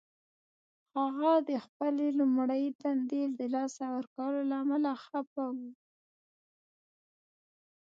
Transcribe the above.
هغه د خپلې لومړۍ دندې د لاسه ورکولو له امله خفه و